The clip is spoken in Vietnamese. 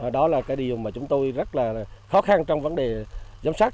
đó là cái điều mà chúng tôi rất là khó khăn trong vấn đề giám sát